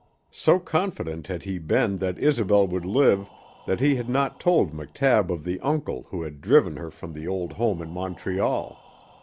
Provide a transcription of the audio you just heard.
So confident had he been that Isobel would live that he had not told McTabb of the uncle who had driven her from the old home in Montreal.